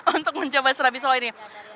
untuk mencoba serabi solo ini